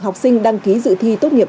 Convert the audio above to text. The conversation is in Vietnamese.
học sinh đăng ký dự thi tốt nghiệp